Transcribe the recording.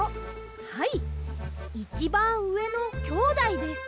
はいいちばんうえのきょうだいです。